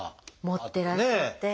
持ってらっしゃって。